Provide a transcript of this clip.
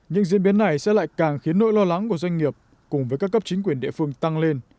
những diễn biến này sẽ lại càng khiến nỗi lo lắng của doanh nghiệp cùng với các cấp chính quyền địa phương tăng lên